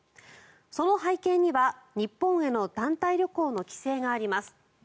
その背景には日本への団体旅行の規制があります。